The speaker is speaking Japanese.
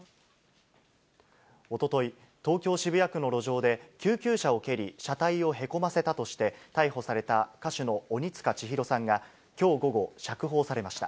おととい、東京・渋谷区の路上で、救急車を蹴り、車体をへこませたとして、逮捕された歌手の鬼束ちひろさんがきょう午後、釈放されました。